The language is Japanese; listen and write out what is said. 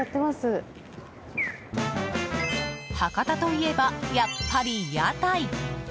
博多といえば、やっぱり屋台。